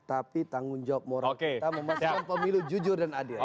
tapi tanggung jawab moral kita memastikan pemilu jujur dan adil